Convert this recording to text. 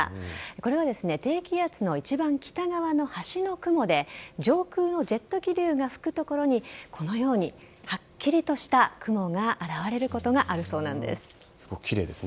これは低気圧の一番北側の端の雲で、上空のジェット気流が吹く所に、このようにはっきりとした雲が現れることがあるそうなんです。